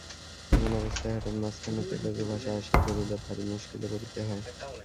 এমন অবস্থায় হঠাৎ মাঝখানে তেলেগু ভাষা আসিয়া পড়িলে ভারি মুশকিলে পড়িতে হয়।